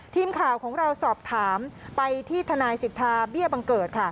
ทีมข่าวของเราสอบถามไปที่ทนายสิทธาเบี้ยบังเกิดค่ะ